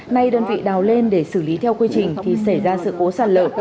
nay đơn vị đào lên để xử lý theo quy trình thì xảy ra sự cố sạt lở